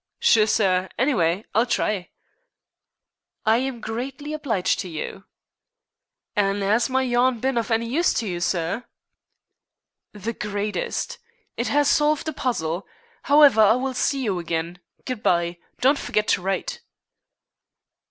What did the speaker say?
"Sure, sir. Anyway, I'll try." "I am greatly obliged to you." "An' 'as my yarn bin of any use to you, sir?" "The greatest. It has solved a puzzle. However, I will see you again. Good bye. Don't forget to write."